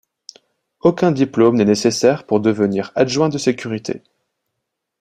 Aucun diplôme n'est nécessaire pour devenir adjoint de sécurité.